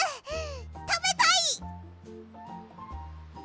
たべたい！